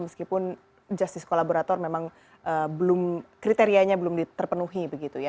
meskipun justice collaborator memang kriterianya belum terpenuhi begitu ya